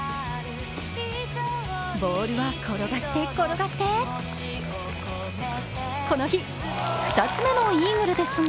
ボールは転がって転がってこの日、２つ目のイーグルですが